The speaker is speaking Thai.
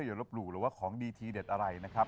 อย่าลบหลู่หรือว่าของดีทีเด็ดอะไรนะครับ